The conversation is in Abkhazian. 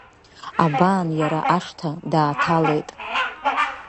Абан, иара ашҭа дааҭалеит.